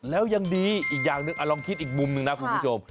แล้วยังดีอีกอย่างหนึ่งลองคิดอีกมุมหนึ่งนะคุณผู้ชม